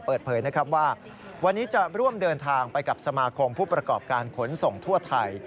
เปิดเผยนะครับว่าวันนี้จะร่วมเดินทางไปกับสมาคมผู้ประกอบการขนส่งทั่วไทย